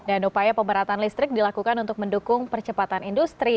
dan upaya pemeratan listrik dilakukan untuk mendukung percepatan industri